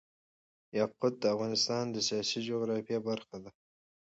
یاقوت د افغانستان د سیاسي جغرافیه برخه ده.